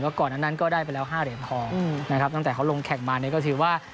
ก่อนนั้นก็ได้ไปแล้ว๕เหรียญทองนะครับตั้งแต่เขาลงแข่งมาเนี่ยก็ถือว่า